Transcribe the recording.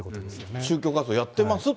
宗教活動やってますって。